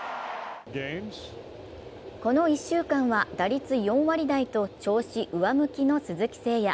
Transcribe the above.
この１週間は打率４割台と調子上向きの鈴木誠也。